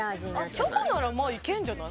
チョコならまあいけんじゃない？